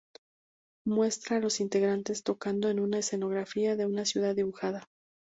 Muestra a los integrantes tocando en una escenografía de una ciudad dibujada.